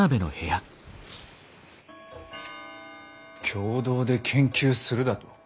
共同で研究するだと？